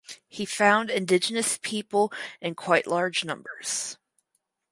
He found indigenous people in quite large numbers.